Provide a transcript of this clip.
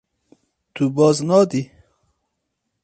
Tu baz nadî.